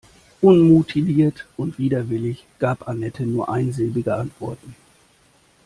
Unmotiviert und widerwillig gab Anette nur einsilbige Antworten.